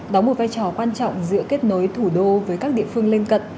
đóng một vai trò quan trọng giữa kết nối thủ đô với các địa phương lân cận